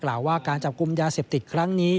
กล่าวว่าการจับกุมยาเสพติดครั้งนี้